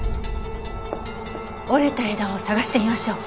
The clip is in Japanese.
折れた枝を探してみましょう。